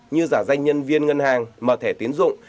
như giả danh nhân viên ngân hàng mở thẻ tiến dụng